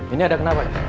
ini ada kenapa